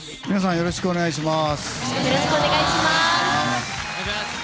よろしくお願いします。